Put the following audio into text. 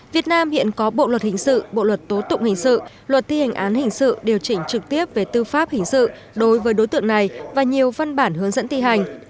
việt nam hiện có bộ luật hình sự bộ luật tố tụng hình sự luật thi hình án hình sự điều chỉnh trực tiếp về tư pháp hình sự đối với đối tượng này và nhiều văn bản hướng dẫn thi hành